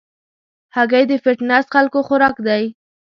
هګۍ د فټنس خلکو خوراک دی.